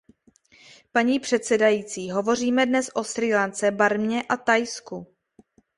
Paní předsedající, hovoříme dnes o Srí Lance, Barmě a Thajsku.